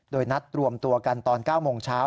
โดยนัดรวมตัวกันตอน๙โมงเช้า